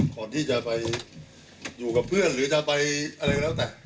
ก่อนที่จะไปอยู่กับเพื่อนหรือจะไปอะไรก็แล้วแต่